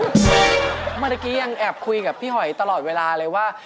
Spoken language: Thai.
เมื่อกี้ยังแอบคุยกับพี่หอยตลอดเวลาเลยว่า